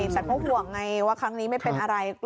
แต่ก็ห่วงไงว่าครั้งนี้ไม่เป็นอะไร